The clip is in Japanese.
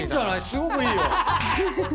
すごくいいよ。